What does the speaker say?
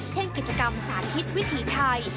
เช่นกิจกรรมสารพิษวิถีไทย